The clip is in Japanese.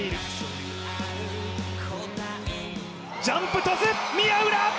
ジャンプトス、宮浦。